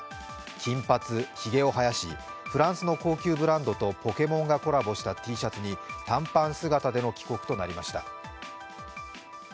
金髪、はげを生やし、フランスの高級ブランドとポケモンがコラボしたＴシャツに短パン姿での帰国となりました。